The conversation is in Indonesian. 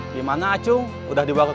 kalo terganti abis